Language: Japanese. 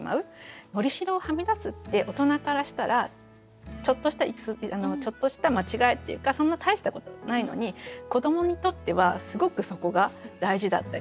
糊しろをはみ出すって大人からしたらちょっとした間違いっていうかそんな大したことじゃないのに子どもにとってはすごくそこが大事だったりする。